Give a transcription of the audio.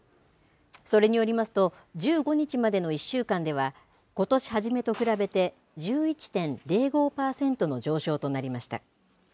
それによりますと、１５日までの１週間では、ことし初めと比べて１１．０５％の上昇となりました。